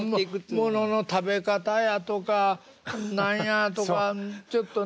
ものの食べ方やとか何やとかちょっとね。